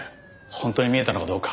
本当に見えたのかどうか。